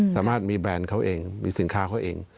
สามารถมีแบรนด์เขาเองมีสินค้าเขาเอง